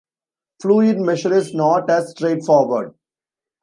Fluid measure is not as straightforward.